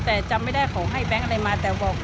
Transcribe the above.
แต่จำไม่ได้เขาให้แบงค์อะไรมาแต่บอก